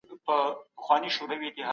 که عایدات کم نه وای، دولت به پیاوړی و.